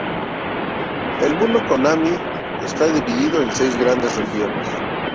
El Mundo Konami está divido en seis grandes regiones.